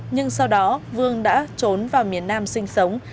nhưng sau đó vương đã trốn vào miền nam sinh sống